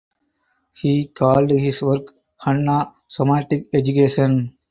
He called his work Hanna Somatic Education.